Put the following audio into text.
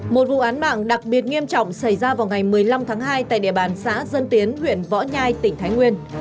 một vụ án mạng đặc biệt nghiêm trọng xảy ra vào ngày một mươi năm tháng hai tại địa bàn xã dân tiến huyện võ nhai tỉnh thái nguyên